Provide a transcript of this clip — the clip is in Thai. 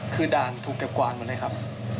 คือด่านถูกเก็บกวาดหมดเลยครับ